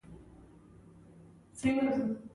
له پيالو تپ خوت.